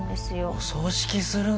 お葬式するんだ。